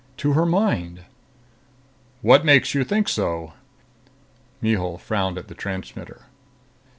"To her mind." "What makes you think so?" Mihul frowned at the transmitter.